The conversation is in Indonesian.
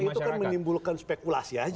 itu kan menimbulkan spekulasi